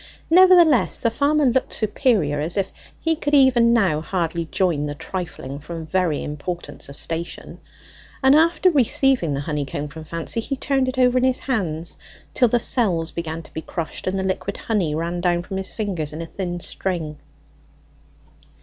Nevertheless the farmer looked superior, as if he could even now hardly join the trifling from very importance of station; and after receiving the honeycomb from Fancy, he turned it over in his hand till the cells began to be crushed, and the liquid honey ran down from his fingers in a thin string.